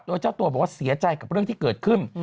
โดยเจ้าตัวบอกว่าเสียใจกับเรื่องที่เกิดขึ้น